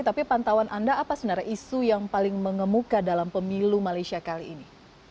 tapi pantauan anda apa sebenarnya isu yang paling mengemuka dalam pemilu malaysia kali ini